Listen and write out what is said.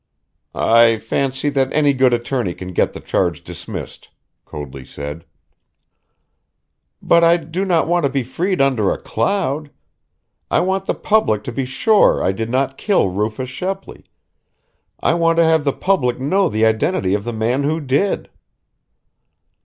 "I fancy that any good attorney can get the charge dismissed," Coadley said. "But I do not want to be freed under a cloud. I want the public to be sure I did not kill Rufus Shepley I want to have the public know the identity of the man who did."